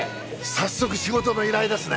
早速仕事の依頼ですね！